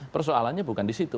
persoalannya bukan di situ